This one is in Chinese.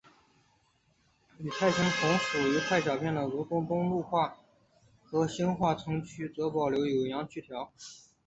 与泰兴同属如泰小片的如东东路话和兴化城区则保留有阳去调。